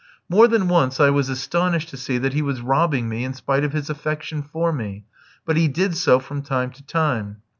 More than once I was astonished to see that he was robbing me in spite of his affection for me; but he did so from time to time.